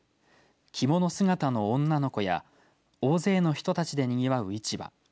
着物姿の女の子や大勢の人たちでにぎわう市場